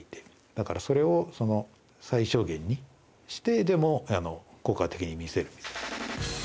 だからそれをその最小限にしてでも効果的に見せるみたいな。